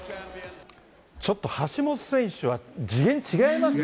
ちょっと橋本選手は次元違いますね。